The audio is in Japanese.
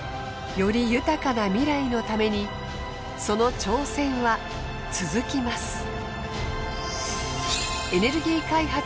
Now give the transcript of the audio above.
より豊かな未来のためにその挑戦は続きます。